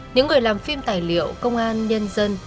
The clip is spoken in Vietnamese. những người làm phim tài liệu công an nhân dân